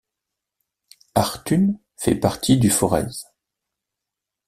Arthun fait partie du Forez.